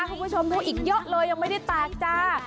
คุณผู้ชมดูอีกเยอะเลยยังไม่ได้แตกจ้า